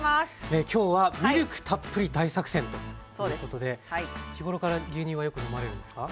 今日は「ミルクたっぷり大作戦！」ということで日頃から牛乳はよく飲まれるんですか？